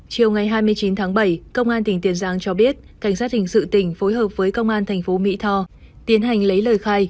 chiều ngày hai mươi chín tháng bảy công an tỉnh tiền giang cho biết cảnh sát hình sự tỉnh phối hợp với công an thành phố mỹ tho tiến hành lấy lời khai